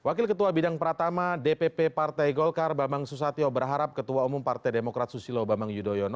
wakil ketua bidang pratama dpp partai golkar bambang susatyo berharap ketua umum partai demokrat susilo bambang yudhoyono